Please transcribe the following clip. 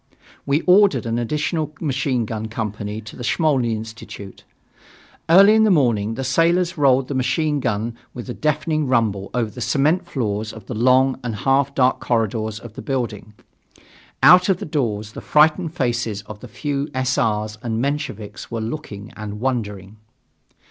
We ordered an additional machine gun company to the Smolny Institute. Early in the morning the sailors rolled the machine gun with a deafening rumble over the cement floors of the long and half dark corridors of the building. Out of the doors the frightened faces of the few S. R.'s and Mensheviks were looking and wondering.